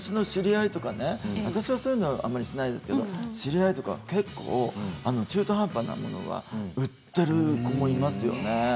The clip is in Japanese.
私はそういうのをあまりしないですけれども知り合いとか結構、中途半端なものを売っている子もいますよね。